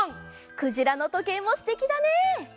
「くじらのとけい」もすてきだね！